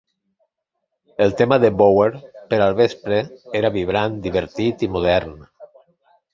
El tema de Bower per al vespre era "vibrant, divertit i modern".